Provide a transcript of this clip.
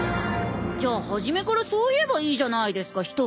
じゃあ初めからそう言えばいいじゃないですか一言。